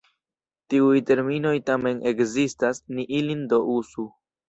Tiuj terminoj tamen ekzistas, ni ilin do uzu.